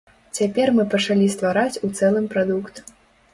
Цяпер мы пачалі ствараць у цэлым прадукт.